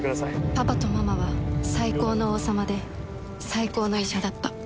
パパとママは最高の王様で最高の医者だった。